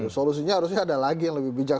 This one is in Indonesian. solusinya harusnya ada lagi yang lebih bijak